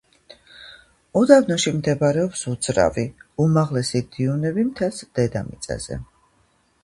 უდაბნოში მდებარეობს უძრავი, უმაღლესი დიუნები მთელს დედამიწაზე.